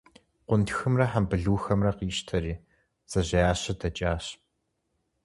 Къунтхымрэ хьэмбылухэмрэ къищтэри, бдзэжьеящэ дэкӏащ.